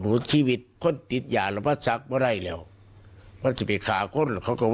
อย่าพดเตียบก็ผดโตฉันไปซักเลย